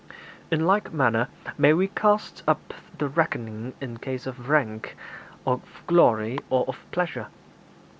In like manner may we cast up the reckoning in case of rank, of glory, or of pleasure.